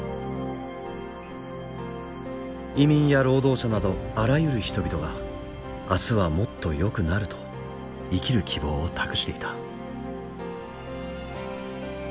移民や労働者などあらゆる人々が明日はもっとよくなると生きる希望を託していた。